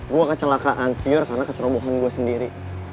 gue kecelakaan pur karena kecerobohan gue sendiri